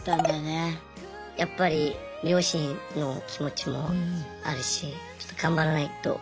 やっぱり両親の気持ちもあるしちょっと頑張らないと。